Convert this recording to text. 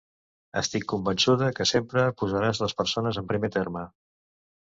Estic convençuda que sempre posaràs les persones en primer terme.